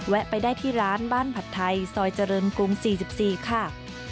ไปได้ที่ร้านบ้านผัดไทยซอยเจริญกรุง๔๔ค่ะ